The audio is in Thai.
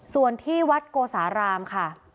ส่วนที่วัดโกสารามค่ะ